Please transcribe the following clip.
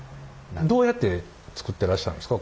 どうやって作ってらっしゃるんですか？